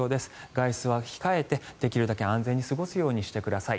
外出は控えて、できるだけ安全に過ごすようにしてください。